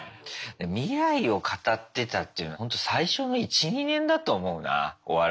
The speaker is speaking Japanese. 未来を語ってたっていうのはほんと最初の１２年だと思うなお笑い始めて。